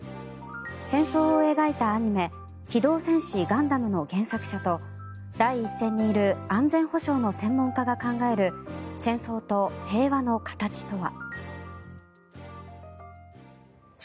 戦争を描いたアニメ「機動戦士ガンダム」の原作者と第一線にいる安全保障の専門家が考える戦争と平和の形とは。